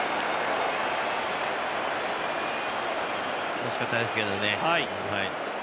惜しかったですけどね。